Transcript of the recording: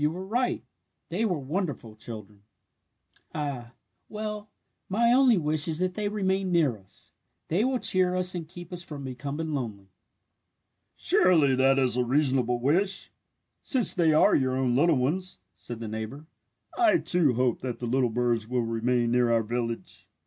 You were right. They were wonderful children! "Ah, well, my only wish is that they may remain near us. They will cheer us and keep us from becoming lonely!" "Surely that is a reasonable wish since they are your own little ones," said the neighbour. "I, too, hope that the little birds will remain near our village!"